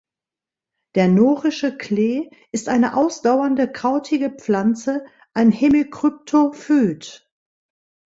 Der Norische Klee ist eine ausdauernde, krautige Pflanze, ein Hemikryptophyt.